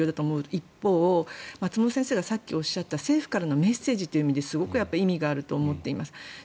一方松本先生がさっきおっしゃった政府からのメッセージという意味ですごく意味があると思っています。